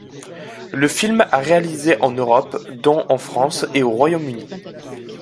Le film a réalisé en Europe dont en France et au Royaume-Uni.